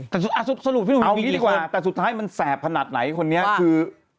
เอางี้ดีกว่าแต่สุดท้ายมันแสบผนัดไหนคนนี้คือ